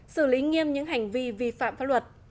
xử lý nghiêm những hành vi vi phạm pháp luật